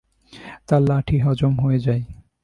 তার লাঠি হজম হয়ে যায়।